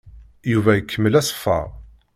Yuba ikemmel aṣeffer.